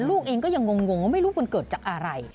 ลูกเองก็ยังงงว่าไม่รู้มันเกิดจากอะไร